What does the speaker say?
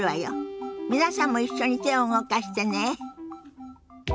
皆さんも一緒に手を動かしてね。